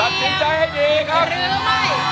ตัดสินใจให้ดีครับ